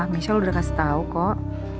michelle udah kasih tau kok